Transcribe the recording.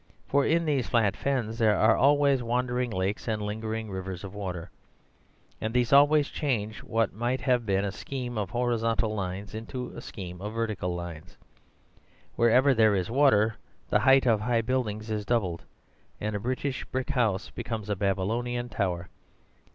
For in these flat fens there are always wandering lakes and lingering rivers of water. And these always change what might have been a scheme of horizontal lines into a scheme of vertical lines. Wherever there is water the height of high buildings is doubled, and a British brick house becomes a Babylonian tower.